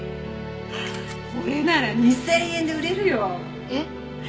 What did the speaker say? これなら２０００円で売れるよ。